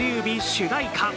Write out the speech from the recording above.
主題歌。